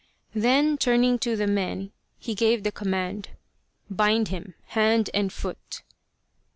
Then turning to the men he gave the command :" Bind him, hand and foot